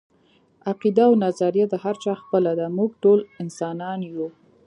عقیده او نظريه د هر چا خپله ده، موږ ټول انسانان يو